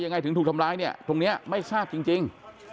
ยังไงถึงถูกทำร้ายตรงนี้ไม่ทราบจริง